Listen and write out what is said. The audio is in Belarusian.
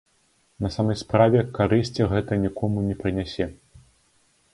На самай справе карысці гэта нікому не прынясе.